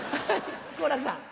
好楽さん。